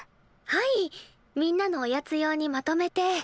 はいみんなのおやつ用にまとめて。